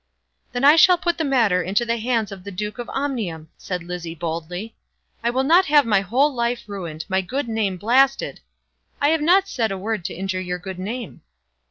"Then I shall put the matter into the hands of the Duke of Omnium," said Lizzie boldly. "I will not have my whole life ruined, my good name blasted " "I have not said a word to injure your good name."